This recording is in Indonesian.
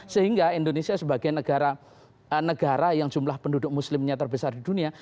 sehingga indonesia sebagai negara yang jumlah penduduk muslimnya terbesar di dunia